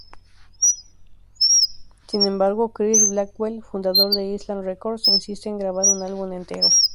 Sin embargo, Chris Blackwell, fundador de Island Records, insiste en grabar un álbum entero.